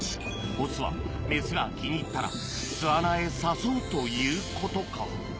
オスはメスが気に入ったら巣穴へ誘うということか。